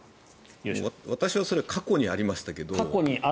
私はそれは過去にありましたけど。